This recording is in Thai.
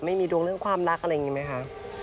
ดวงเรื่องความรักอะไรอย่างนี้ไหมคะ